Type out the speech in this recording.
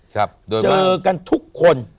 เจอกันทุกคน